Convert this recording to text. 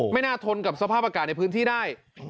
ไม่น่าทนกับสภาพอากาศในพื้นที่ได้